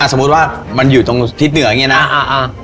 สมมุติว่ามันอยู่ตรงทิศเหนืออย่างนี้นะ